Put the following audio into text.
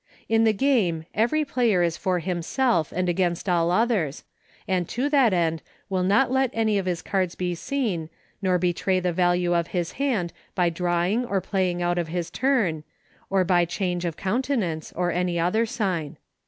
In the game every player is for himself and against all others, and to that end will not let any of his cards be seen, nor betray the value of his hand bv drawing or plavine out of his turn, or by change of countenance, or any other sign.